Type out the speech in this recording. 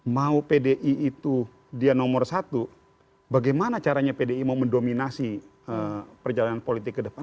mau pdi itu dia nomor satu bagaimana caranya pdi mau mendominasi perjalanan politik ke depan